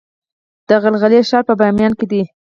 د غلغلې ښار په بامیان کې دی